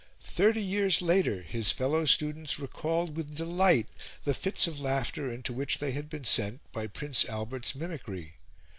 Thirty years later his fellow students recalled with delight the fits of laughter into which they had been sent by Prince Albert's mimicry.